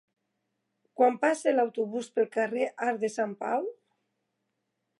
Quan passa l'autobús pel carrer Arc de Sant Pau?